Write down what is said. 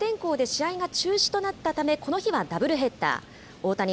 前日は悪天候で試合が中止となったため、この日はダブルヘッダー。